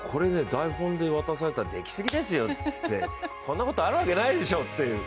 台本で渡されたら、「できすぎですよ」つって、「こんなことあるわけないでしょ」って。